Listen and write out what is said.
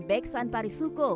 beksan paris suku